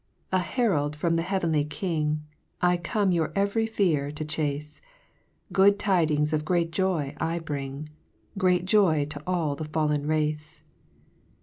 2 An herald from the heavenly King, I come your every fear to chafe ; Good tidings of great joy I bring, Great joy to all the fallen race.